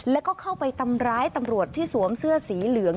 แล้วก็เข้าไปทำร้ายตำรวจที่สวมเสื้อสีเหลือง